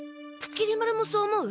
きり丸もそう思う？